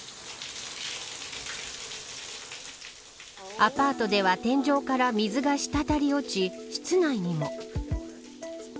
アパートでは天井から水が滴り落ち、室内にも。